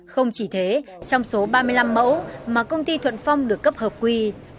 không chỉ thế trong số ba mươi năm mẫu mà công ty thuận phong được cấp hợp quy